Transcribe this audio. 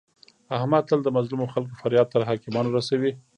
احمد تل د مظلمو خلکو فریاد تر حاکمانو رسوي.